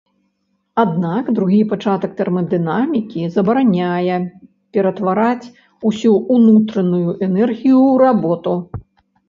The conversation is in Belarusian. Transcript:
Аднак другі пачатак тэрмадынамікі забараняе ператвараць усю ўнутраную энергію ў работу.